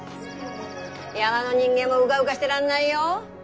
山の人間もうかうかしてらんないよ！